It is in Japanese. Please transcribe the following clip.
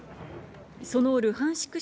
そのルハンシク